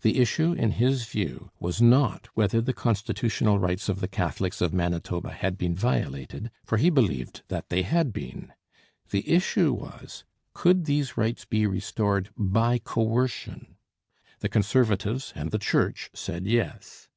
The issue, in his view, was not whether the constitutional rights of the Catholics of Manitoba had been violated; for he believed that they had been. The issue was, Could these rights be restored by coercion? The Conservatives and the Church said Yes.